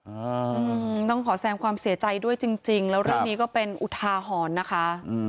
อืมต้องขอแสงความเสียใจด้วยจริงจริงแล้วเรื่องนี้ก็เป็นอุทาหรณ์นะคะอืม